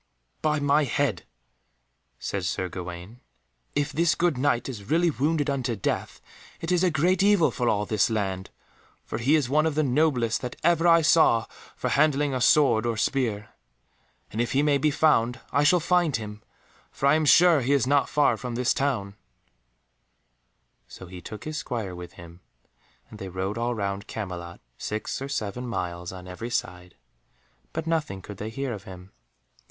"By my head," said Sir Gawaine, "if this good Knight is really wounded unto death, it is a great evil for all this land, for he is one of the noblest that ever I saw for handling a sword or spear. And if he may be found, I shall find him, for I am sure he is not far from this town;" so he took his Squire with him, and they rode all round Camelot, six or seven miles on every side, but nothing could they hear of him.